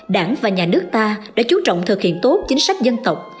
đảng và nhà nước ta đã chú trọng thực hiện tốt chính sách dân tộc